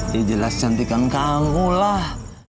dia jelas cantikan kamu lah